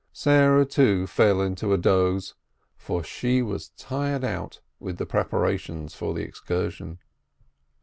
Sarah, too, fell into a doze, for she was tired out with the preparations for the excursion.